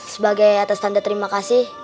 sebagai atas tanda terima kasih